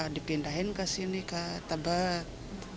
dipindahin ke sini ke tebet